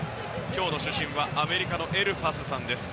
今日の主審はアメリカのエルファスさんです。